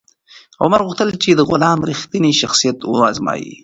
عمر غوښتل چې د غلام رښتینی شخصیت و ازمایي.